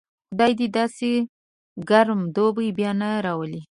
خدای دې داسې ګرم دوبی بیا نه راولي.